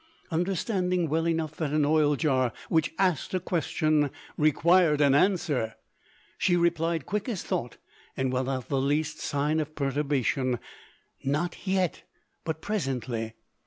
Understanding well enough that an oil jar which asked a question required an answer, she replied quick as thought and without the least sign of perturbation, "Not yet, but presently."